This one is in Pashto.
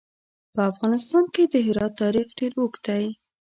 په افغانستان کې د هرات تاریخ ډېر اوږد دی.